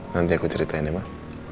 nanti aku ceritain ya pak